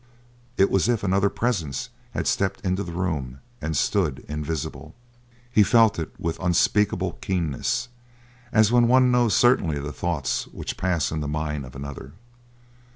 It was as if another presence had stepped into the room and stood invisible. He felt it with unspeakable keenness, as when one knows certainly the thoughts which pass in the mind of another.